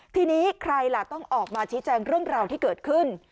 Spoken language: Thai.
ทีนี้ใครล่ะต้องออกมาชี้แจงเรื่องราวที่เกิดขึ้น